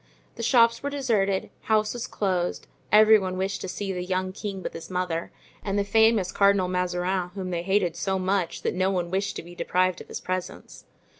The shops were deserted, houses closed; every one wished to see the young king with his mother, and the famous Cardinal Mazarin whom they hated so much that no one wished to be deprived of his presence.